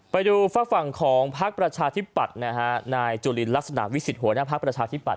ไปดูฝ่างของภาคประชาธิปรัฐนายจุารินลักษณะวิสิตหัวแนะภักดิกาประชาธิปรัฐ